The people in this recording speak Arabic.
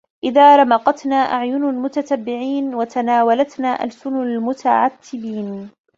إذَا رَمَقَتْنَا أَعْيُنُ الْمُتَتَبِّعِينَ ، وَتَنَاوَلَتْنَا أَلْسُنُ الْمُتَعَتِّبِينَ